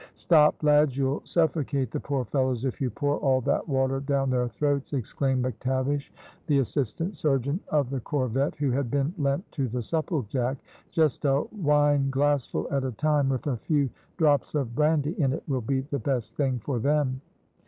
"Stop, lads, you'll suffocate the poor fellows if you pour all that water down their throats!" exclaimed McTavish, the Assistant Surgeon of the corvette, who had been lent to the Supplejack. "Just a wine glassful at a time, with a few drops of brandy in it, will be the best thing for them."